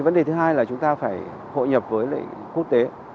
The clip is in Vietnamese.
vấn đề thứ hai là chúng ta phải hội nhập với lại quốc tế